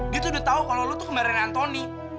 dia tuh udah tahu kalau lo tuh kemarin antoni